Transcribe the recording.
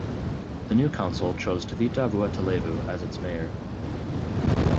The new council chose Tevita Vuatalevu as its Mayor.